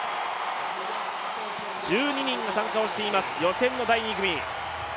１２人が参加をしています予選の第２組。